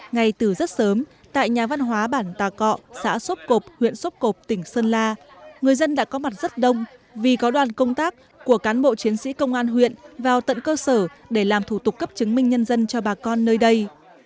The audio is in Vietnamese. ngay từ rất sớm tại nhà văn hóa bản tà cọ xã sốp cộp huyện sốp cộp tỉnh sơn la người dân đã có mặt rất đông vì có đoàn công tác của cán bộ chiến sĩ công an huyện vào tận cơ sở để làm thủ tục cấp chứng minh nhân dân cho bà con nơi đây